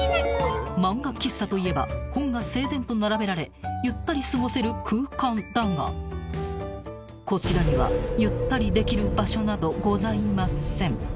［漫画喫茶といえば本が整然と並べられゆったり過ごせる空間だがこちらにはゆったりできる場所などございません］